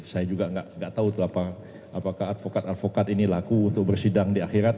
saya juga nggak tahu apakah advokat advokat ini laku untuk bersidang di akhirat